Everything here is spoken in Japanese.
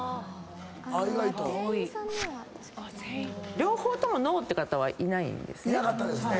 両方ともノーって方はいないんですね。